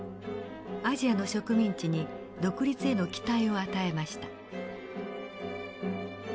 アジアの植民地に独立への期待を与えました。